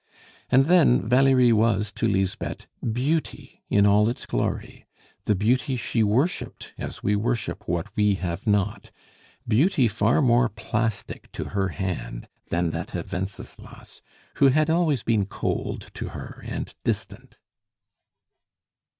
And then, Valerie was, to Lisbeth, Beauty in all its glory the beauty she worshiped, as we worship what we have not, beauty far more plastic to her hand than that of Wenceslas, who had always been cold to her and distant.